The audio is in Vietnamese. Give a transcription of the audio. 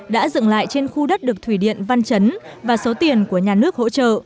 đã dựng lại trên khu đất được thủy điện văn chấn và số tiền của nhà nước hỗ trợ